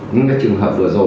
những trường hợp vừa rồi